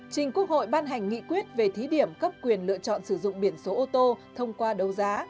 trình quốc hội ban hành nghị quyết về thí điểm cấp quyền lựa chọn sử dụng biển số ô tô thông qua đấu giá